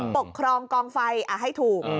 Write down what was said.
ปกครองกองไฟให้ถูก